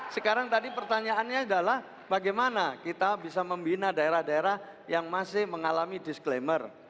sekarang tadi pertanyaannya adalah bagaimana kita bisa membina daerah daerah yang masih mengalami disclaimer